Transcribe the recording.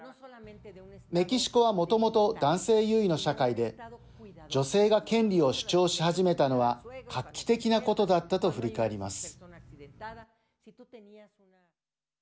メキシコはもともと男性優位の社会で女性が権利を主張し始めたのは画期的なことだったと振り返ります。